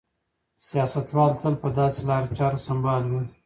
سیاستوال تل په داسې لارو چارو سمبال وي.